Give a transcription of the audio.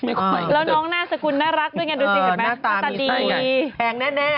แปงแน่